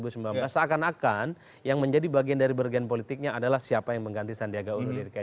seakan akan yang menjadi bagian dari bergen politiknya adalah siapa yang mengganti sandiaga uno di dki